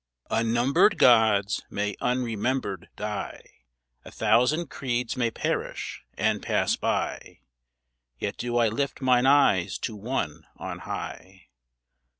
UNNUMBERED gods may unremembered die; A thousand creeds may perish and pass by; Yet do I lift mine eyes to ONE on high.